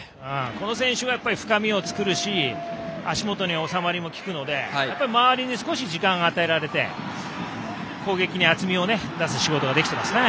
この選手が深みを作るし足元に収まりも効くので周りに少し時間が与えられて攻撃に厚みを出す仕事ができていますね。